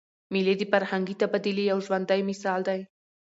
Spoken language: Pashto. مېلې د فرهنګي تبادلې یو ژوندى مثال دئ.